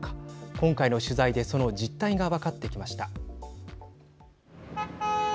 今回の取材でその実態が分かってきました。